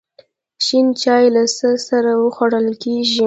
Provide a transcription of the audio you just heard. شین چای له څه سره خوړل کیږي؟